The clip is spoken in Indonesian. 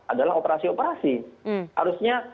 adalah operasi operasi harusnya